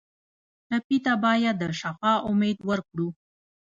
ټپي ته باید د شفا امید ورکړو.